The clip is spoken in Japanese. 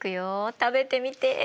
食べてみて。